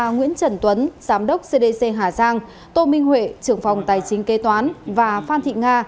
nguyễn trần tuấn giám đốc cdc hà giang tô minh huệ trưởng phòng tài chính kế toán và phan thị nga